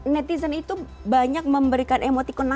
netizen itu banyak memberikan emotikon nangis